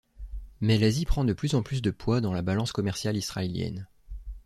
Mais l'Asie prend de plus en plus de poids dans la balance commerciale israélienne.